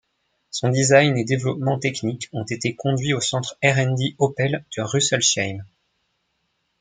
Son design et développement technique ont été conduits au centre R&D Opel de Russelsheim.